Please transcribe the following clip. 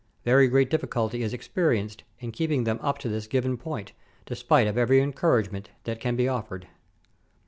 Very great difficulty is experienced in keeping them up to this given point, despite of every encouragement that can be offered.